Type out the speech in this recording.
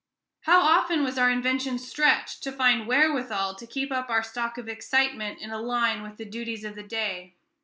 How often was our invention stretched to find wherewithal to keep up our stock of excitement in a line with the duties of the day!